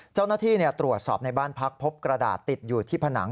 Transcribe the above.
เจ้าหน้าที่ตรวจสอบในบ้านพักพบกระดาษติดอยู่ที่ผนัง